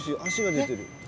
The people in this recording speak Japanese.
足が出てる。